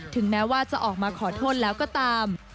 แม้ว่าจะออกมาขอโทษแล้วก็ตาม